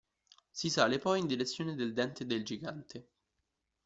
Si sale poi in direzione del Dente del Gigante.